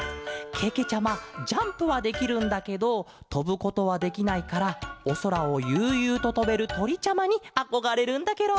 けけちゃまジャンプはできるんだけどとぶことはできないからおそらをゆうゆうととべるとりちゃまにあこがれるんだケロ。